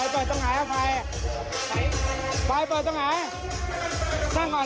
ฟัยฟัยเปิดต้องหายครับฟัย